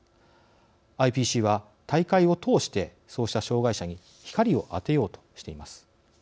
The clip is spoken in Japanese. ＩＰＣは大会を通してそうした障害者に光を当てようとしています。